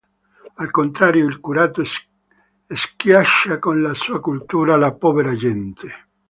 Al contrario, il curato schiaccia con la sua cultura la povera gente.